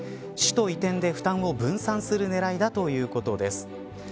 首都移転で、負担を分散する狙いだということです。